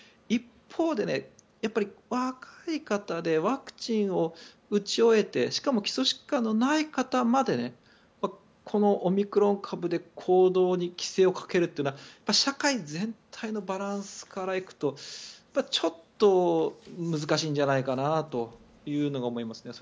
一方で、若い方でワクチンを打ち終えてしかも基礎疾患のない方までこのオミクロン株で行動に規制をかけるというのは社会全体のバランスからいくとちょっと難しいんじゃないかなと思います。